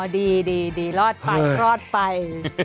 ดีรอดไปรอดไป